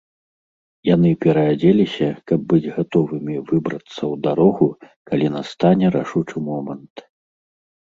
Яны пераадзеліся, каб быць гатовымі выбрацца ў дарогу, калі настане рашучы момант.